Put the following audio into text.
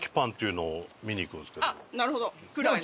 なるほど。